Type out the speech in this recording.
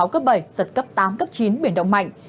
giật cấp tám chín biển đông mạnh